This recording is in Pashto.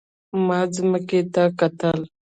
ما ځمکې ته کتل.